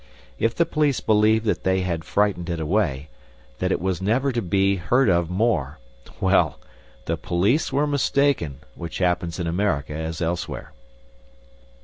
If the police believed that they had frightened it away, that it was never to be heard of more, well, the police were mistaken which happens in America as elsewhere.